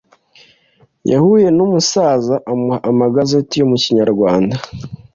yahuye n’ umusaza amuha amagazeti yo mu kinyarwanda